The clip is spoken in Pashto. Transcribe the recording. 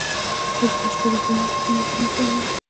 یو سل او شپږ اتیایمه پوښتنه د خدمت په اړه ده.